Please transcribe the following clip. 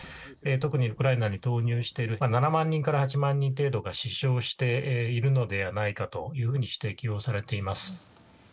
特にウクライナに投入している７万人から８万人程度が死傷しているのではないかというふうに指摘をされています。